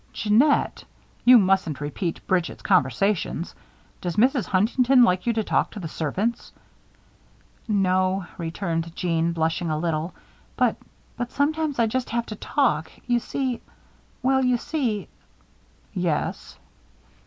"Jeannette! You mustn't repeat Bridget's conversations. Does Mrs. Huntington like you to talk to the servants?" "No," returned Jeanne, blushing a little. "But but sometimes I just have to talk. You see well, you see " "Yes?"